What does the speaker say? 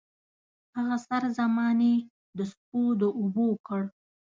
هغه سر زمانې د سپو د لوبو کړ.